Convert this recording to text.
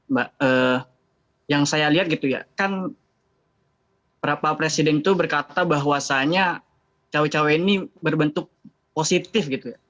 mbak yang saya lihat gitu ya kan pak presiden itu berkata bahwasanya cawe cawe ini berbentuk positif gitu ya